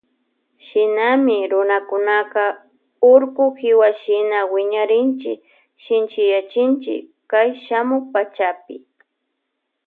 Shinami runakunaka urku kiwashina wiñarinchi shinchiyanchi kay shamuk pachapi.